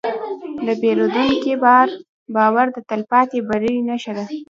د پیرودونکي باور د تلپاتې بری نښه ده.